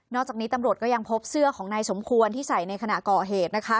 จากนี้ตำรวจก็ยังพบเสื้อของนายสมควรที่ใส่ในขณะก่อเหตุนะคะ